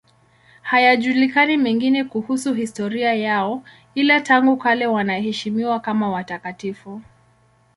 Hayajulikani mengine kuhusu historia yao, ila tangu kale wanaheshimiwa kama watakatifu.